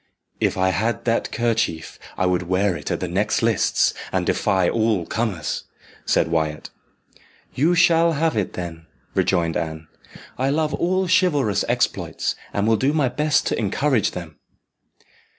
"If I had that kerchief I would wear it at the next lists, and defy all comers," said Wyat. "You shall have it, then," rejoined Anne. "I love all chivalrous exploits, and will do my best to encourage them."